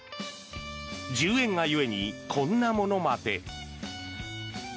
１０円が故にこんなものまで。